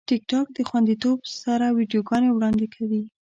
ټیکټاک د خوندیتوب سره ویډیوګانې وړاندې کوي.